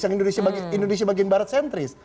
yang indonesia bagian barat sentris